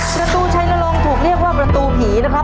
ประตูชัยนรงค์ถูกเรียกว่าประตูผีนะครับ